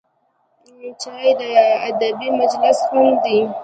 چای د ادبي مجلس خوند دی